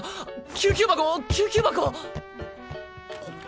救急箱救急箱！